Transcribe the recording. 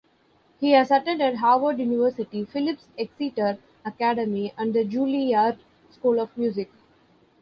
He has attended Harvard University, Philips Exeter Academy, and the Juilliard School of Music.